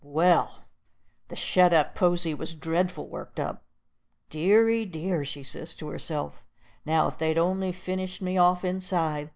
Well, the shet up posy was dreadful worked up. "Deary dear!" she says to herself, "now if they'd on'y finished me off inside!